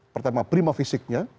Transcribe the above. pertama prima fisiknya